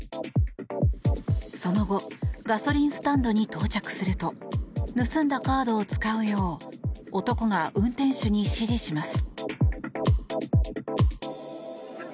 その後ガソリンスタンドに到着すると盗んだカードを使うよう男が運転手に指示します。